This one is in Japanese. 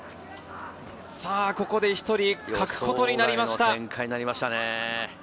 ここで１人欠くことになりました。